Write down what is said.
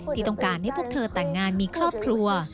ที่ต้องการให้พวกเธอแต่งงานมีครอบครัว